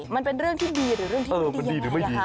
มันเป็นเรื่องที่ดีหรือเรื่องที่ไม่ดีอย่างไรคะ